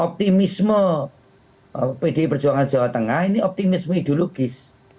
optimisme pdi perjuangan jawa tengah ini optimisme ideologis